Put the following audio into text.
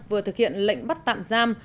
vừa thực hiện lệnh bắt tạm giam